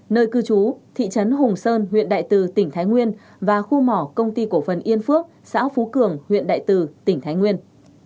nơi cư trú thị trấn hùng sơn huyện đại từ tỉnh thái nguyên và khu mỏ công ty cổ phần yên phước xã phú cường huyện đại từ tỉnh thái nguyên